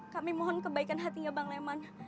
kami mohon kebaikan hatinya bang leman